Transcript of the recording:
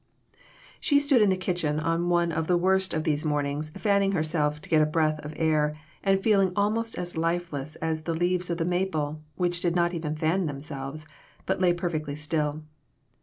She stood in her kitchen on one of the worst of these mornings, fanning herself to get a breath of air, and feeling almost as lifeless as the leaves of the maple, which did not even fan themselves, but lay perfectly still.